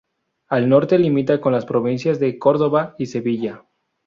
Al norte limita con las provincias de Córdoba y Sevilla.